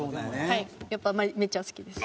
はいめっちゃ好きです。